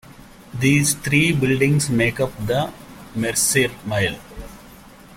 These three buildings make up "the Mercer Mile".